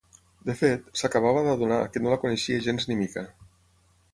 De fet, s'acabava d'adonar que no la coneixia gens ni mica.